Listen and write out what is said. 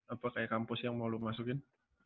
apa kayak kampus yang mau lo masukin